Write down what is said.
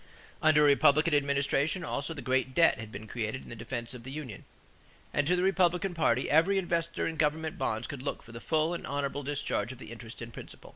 Under a Republican administration also the great debt had been created in the defense of the union, and to the Republican party every investor in government bonds could look for the full and honorable discharge of the interest and principal.